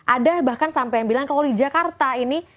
ada bahkan sampai yang bilang kalau di jakarta ini